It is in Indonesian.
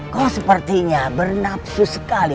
kau sepertinya bernapsu sekali